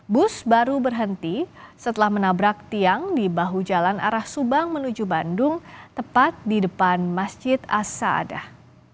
bus baru berhenti setelah menabrak tiang di bahu jalan arah subang menuju bandung tepat di depan masjid as saadah